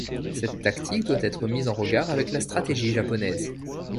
Cette tactique doit être mise en regard avec la stratégie japonaise.